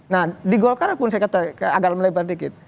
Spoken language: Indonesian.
nah di golkar pun saya agak melebar dikit